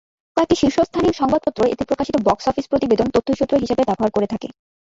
কয়েকটি শীর্ষস্থানীয় সংবাদপত্র এতে প্রকাশিত বক্স অফিস প্রতিবেদন তথ্যসূত্র হিসেবে ব্যবহার করে থাকে।